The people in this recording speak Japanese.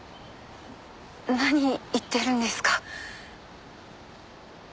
何言ってるんですか？